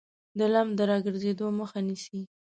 د لمف د راګرځیدو مخه نیسي.